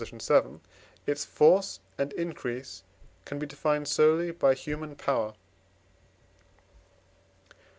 vii.) its force and increase can be defined solely by human power.